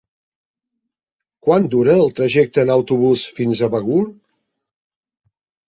Quant dura el trajecte en autobús fins a Begur?